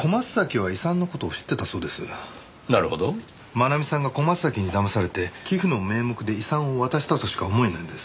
真奈美さんが小松崎にだまされて寄付の名目で遺産を渡したとしか思えないんです。